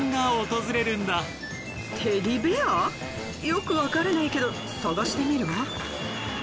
よく分からないけど探してみるわ。